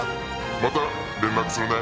また連絡するね。